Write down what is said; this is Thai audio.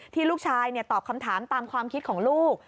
ลูกชายตอบคำถามตามความคิดของลูก